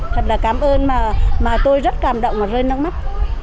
thật là cảm ơn mà tôi rất cảm động và rơi nước mắt